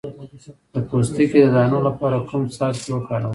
د پوستکي د دانو لپاره کوم څاڅکي وکاروم؟